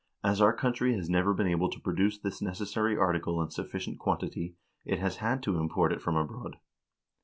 As our country has never been able to produce this necessary article in sufficient quantity, it has had to import it from abroad.